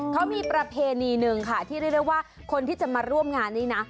เขามีประเพณีหนึ่งค่ะที่เรียกได้ว่าคนที่จะมาร่วมงานนี้นะ